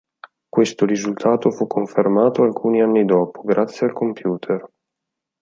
Questo risultato fu confermato alcuni anni dopo, grazie al computer.